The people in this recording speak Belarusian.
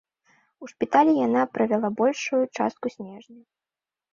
У шпіталі яна правяла большую частку снежня.